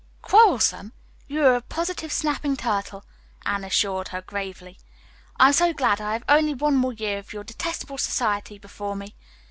"Quarrelsome? You are a positive snapping turtle," Anne assured her gravely. "I am so glad I have only one more year of your detestable society before me.